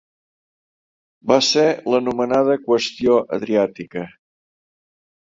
Va ser l'anomenada Qüestió Adriàtica.